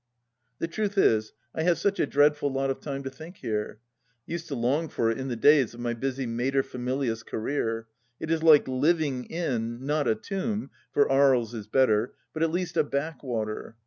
. The truth is, I have such a dreadful lot of time to think here. I used to long for it in the days of my busy mater familias career. It is like living in, not a tomb, for Aries is better, but at least a backwater.